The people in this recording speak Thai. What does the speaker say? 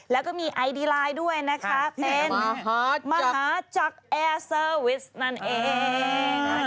แล้วก็มีไอดีไลน์ด้วยนะคะเป็นมหาจักรแอร์เซอร์วิสนั่นเอง